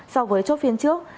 so với chốt phiên trước